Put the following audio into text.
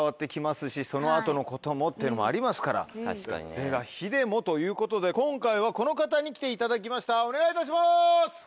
是が非でもということで今回はこの方に来ていただきましたお願いいたします。